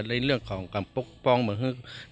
และเรื่องของการปกป้องเหมือนว่า